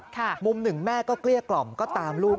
ค่ะมุม๑แม่ก็เกลี้ยกล่อมก็ตามรูป